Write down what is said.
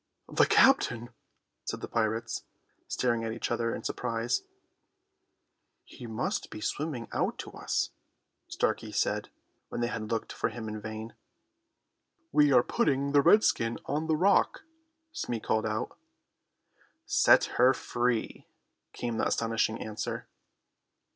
"The captain!" said the pirates, staring at each other in surprise. "He must be swimming out to us," Starkey said, when they had looked for him in vain. "We are putting the redskin on the rock," Smee called out. "Set her free," came the astonishing answer.